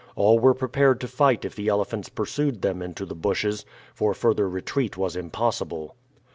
All were prepared to fight if the elephants pursued them into the bushes, for further retreat was impossible.